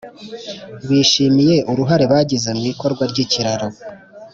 bishimiye uruhare bagize mu ikorwa ry ‘ikiraro